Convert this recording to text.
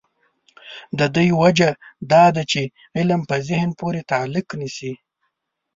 د دې وجه دا ده چې علم په ذهن پورې تعلق نیسي.